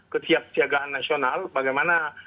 kesiap siagaan nasional bagaimana